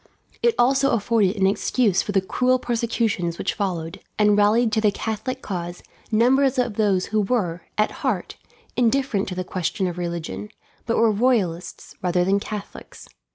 It also afforded an excuse for the cruel persecutions which followed, and rallied to the Catholic cause numbers of those who were, at heart, indifferent to the question of religion, but were Royalists rather than Catholics.